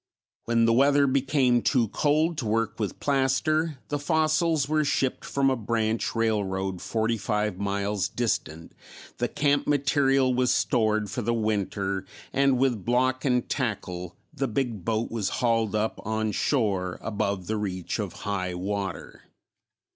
When the weather became too cold to work with plaster, the fossils were shipped from a branch railroad forty five miles distant, the camp material was stored for the winter and with block and tackle the big boat was hauled up on shore above the reach of high water.